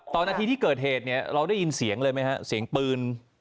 นาทีที่เกิดเหตุเนี่ยเราได้ยินเสียงเลยไหมฮะเสียงปืน